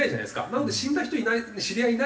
なので死んだ人いない知り合いいないよね。